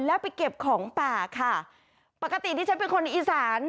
แล้วไปเก็บของป่าค่ะปกติที่ฉันเป็นคนในอีสาน